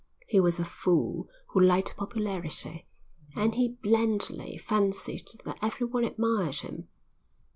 He was a fool who liked popularity, and he blandly fancied that everyone admired him.